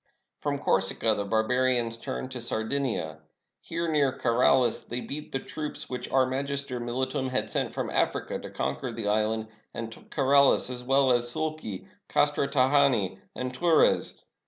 From Corsica the barbarians turned to Sar 553 ROME dinia. Here, near KaraUs, they beat the troops which out magister mihtum had sent from Africa to conquer the island, and took KaraUs as well as Sulci, Castra Tra jani, and Turres.